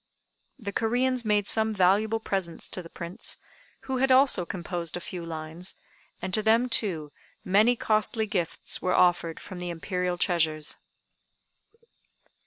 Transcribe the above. The Coreans made some valuable presents to the Prince, who had also composed a few lines, and to them, too, many costly gifts were offered from the Imperial treasures.